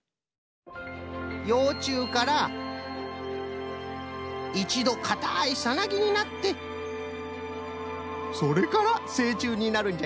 ようちゅうからいちどかたいサナギになってそれからせいちゅうになるんじゃよ。